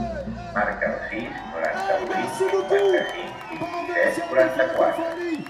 Marca el sis, noranta-vuit, cinquanta-cinc, vint-i-set, quaranta-quatre.